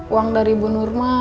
uang dari ibu nurma